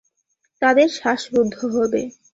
তাদের শ্বাস রুদ্ধ হবে।